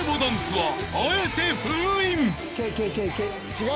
違う。